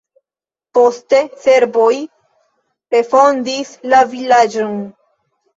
Poste serboj refondis la vilaĝon.